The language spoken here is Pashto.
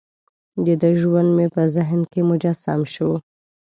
دده ژوند مې په ذهن کې مجسم شو.